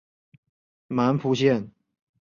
满浦线